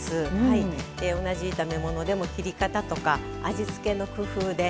同じ炒め物でも切り方とか味付けの工夫で。